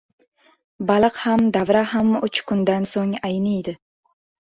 • Baliq ham, davra ham uch kundan so‘ng ayniydi.